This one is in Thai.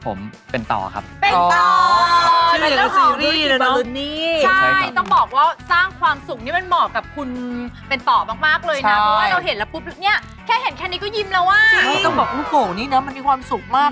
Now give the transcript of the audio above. ตอนเป็นเด็กครับมีโอกาสได้ไปมาห้างส่วนค้า